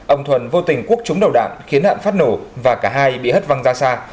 ông thuần vô tình cuốc trúng đầu đạn khiến hạn phát nổ và cả hai bị hất văng ra xa